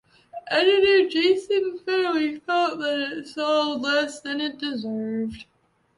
Editor Jason Fanelli felt that it sold less than it deserved.